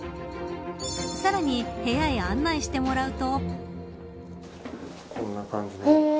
さらに部屋へ案内してもらうと。